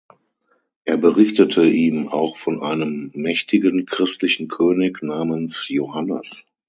Er berichtete ihm auch von einem mächtigen, christlichen König namens Johannes.